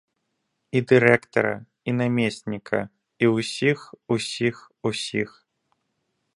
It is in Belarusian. І дырэктара, і намесніка, і ўсіх, усіх, усіх!